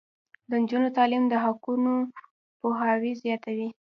د نجونو تعلیم د حقونو پوهاوی زیاتوي.